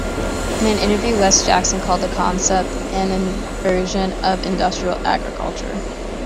In an interview, Wes Jackson called the concept an inversion of industrial agriculture.